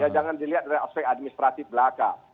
jangan dilihat dari aspek administratif belaka